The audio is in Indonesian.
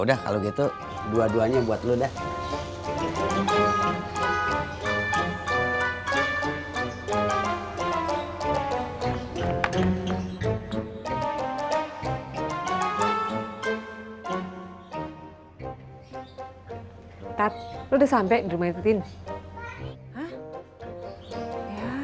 sampai jumpa di video selanjutnya